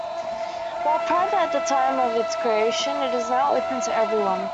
While private at the time of its creation, it is now open to everyone.